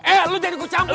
eh lu jangan kucampur